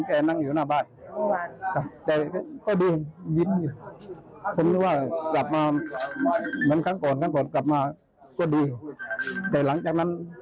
แต่หลังจากนั้นได้ก็ไม่มีกี่เดือนก็กลับมาทำร้ายข้าวบ้าน